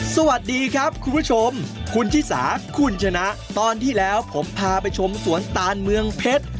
สวัสดีครับคุณผู้ชมคุณชิสาคุณชนะตอนที่แล้วผมพาไปชมสวนตานเมืองเพชร